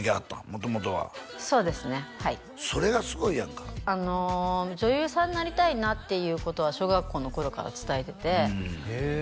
元々はそうですねはいそれがすごいやんか女優さんになりたいなっていうことは小学校の頃から伝えててへえ